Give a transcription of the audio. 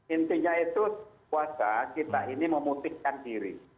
intinya itu puasa kita ini memutihkan diri